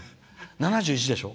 ７１でしょ？